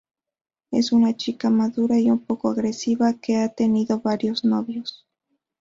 Es una chica madura y un poco agresiva que ha tenido varios novios.